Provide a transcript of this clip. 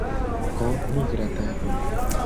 Ho, nigra tago!